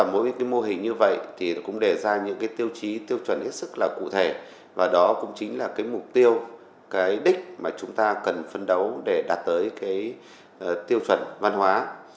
mỗi mô hình như vậy cũng đề ra những tiêu chí tiêu chuẩn ít sức cụ thể và đó cũng chính là mục tiêu đích mà chúng ta cần phân đấu để đạt tới tiêu chuẩn văn hóa